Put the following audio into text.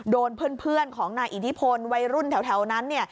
โดนเพื่อนของนายอิทธิพลวัยรุ่นแถวนั้น